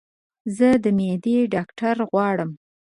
زه د معدي ډاکټر غواړم